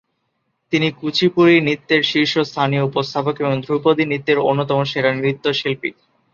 তিনি কুচিপুড়ি নৃত্যের শীর্ষস্থানীয় উপস্থাপক এবং ধ্রুপদী নৃত্যের অন্যতম সেরা নৃত্যশিল্পী।